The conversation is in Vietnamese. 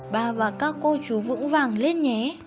ba và các cô chú vững vàng lên nhé